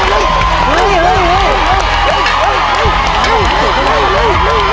ออกไปแล้ว๖แม่ณครับ